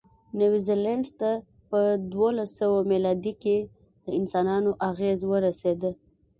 نیوزیلند ته په دوولسسوه مېلادي کې د انسانانو اغېز ورسېد.